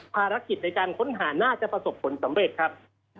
ภารกิจในการค้นหาน่าจะประสบผลสำเร็จครับ